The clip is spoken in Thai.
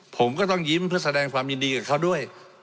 ผมก็ต้องยิ้มเพื่อแสดงความยินดีกับเขาด้วย